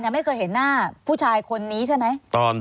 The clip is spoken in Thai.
ไม่เคยเห็นหน้าผู้ชายคนนี้ใช่ไหม